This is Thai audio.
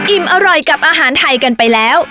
อิ่มอร่อยกับอาหารไทยกันไปแล้ว